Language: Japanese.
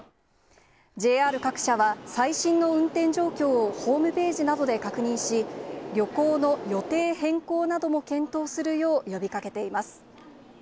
ＪＲ各社は最新の運転状況をホームページなどで確認し、旅行の予定変更なども検討するよう呼びかけています。